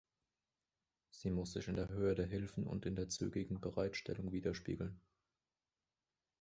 Sie muss sich in der Höhe der Hilfen und in der zügigen Bereitstellung widerspiegeln.